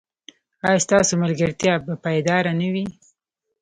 ایا ستاسو ملګرتیا به پایداره نه وي؟